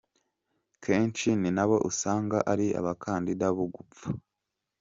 Kenshi ni nabo usanga ari abakandida bo gupfa.